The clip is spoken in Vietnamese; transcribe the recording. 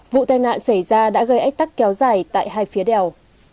vụ tai nạn xảy ra đã gây ách tắc kéo dài tại hai phía đèo